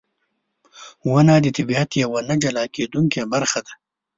• ونه د طبیعت یوه نه جلا کېدونکې برخه ده.